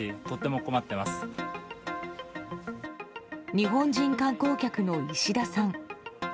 日本人観光客の石田さん。